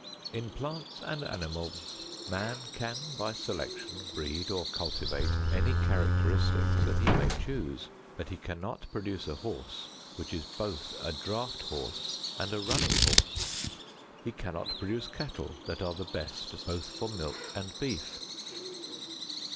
In plants and animals, man can by selection breed or cultivate any characteristics that he may choose, but he cannot produce a horse which is both a draft horse and a running horse; he cannot produce cattle that are the best both for milk and beef.